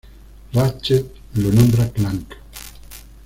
Ratchet lo nombra "Clank".